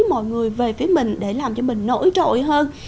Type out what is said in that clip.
mọi người về phía mình để làm cho mình nổi trội hơn